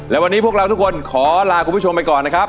และวันนี้พวกเราทุกคนขอลาคุณผู้ชมไปก่อนนะครับ